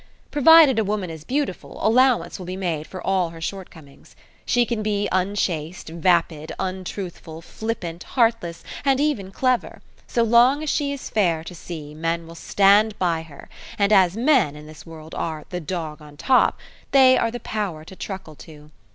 Provided a woman is beautiful allowance will be made for all her shortcomings. She can be unchaste, vapid, untruthful, flippant, heartless, and even clever; so long as she is fair to see men will stand by her, and as men, in this world, are "the dog on top", they are the power to truckle to.